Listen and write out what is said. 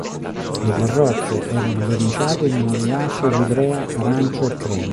Le carrozze erano verniciate in una vivace livrea arancio e crema.